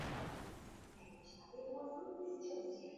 কয়েকটা টাওয়াল ভিজিয়ে দিতে পারবে?